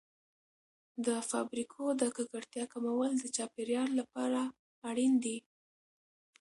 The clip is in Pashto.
د فابریکو د ککړتیا کمول د چاپیریال لپاره اړین دي.